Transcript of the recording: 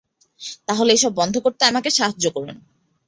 তাহলে এসব বন্ধ করতে আমাকে সাহায্য করুন।